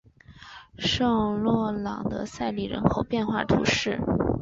圣洛朗德塞里人口变化图示